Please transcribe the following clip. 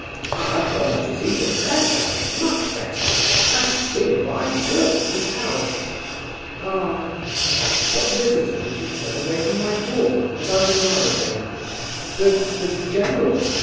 "I have one that is even better, much better; that is really why I bought this house." "Ah! What visitor did you turn away from my door, about an hour ago?" "The the general.